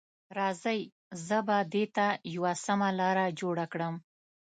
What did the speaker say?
راځئ، زه به دې ته یوه سمه لاره جوړه کړم.